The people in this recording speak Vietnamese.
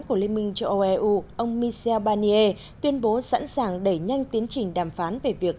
của liên minh châu âu eu ông michel barnier tuyên bố sẵn sàng đẩy nhanh tiến trình đàm phán về việc